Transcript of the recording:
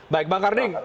baik bang harding